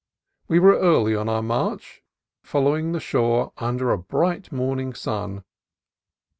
We were early on our march, following the shore under a bright morning sun.